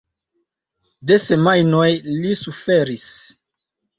De semajnoj li suferis.